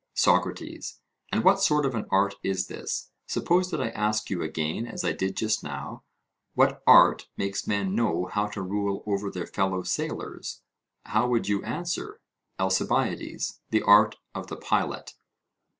SOCRATES: And what sort of an art is this? Suppose that I ask you again, as I did just now, What art makes men know how to rule over their fellow sailors, how would you answer? ALCIBIADES: The art of the pilot.